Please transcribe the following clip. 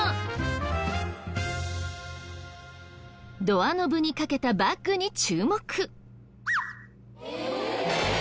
ドアノブにかけたバッグに注目！